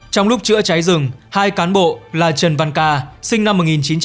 trong lúc chữa cháy rừng hai cán bộ là trần văn ca sinh năm một nghìn chín trăm tám mươi